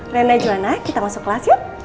nanda juwana kita masuk kelas yuk